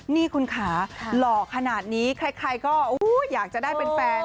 นี่คุณขาหล่อขนาดนี้ใครก็อยากจะได้เป็นแฟน